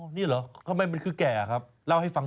อ๋อนี่เหรอทำไมมันคือแกะครับเล่าให้ฟังหน่อย